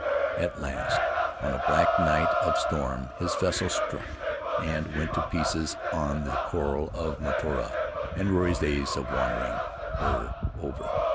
At last, on a black night of storm, his vessel struck and went to pieces on the coral of Mataora, and Ruri's days of wandering were over.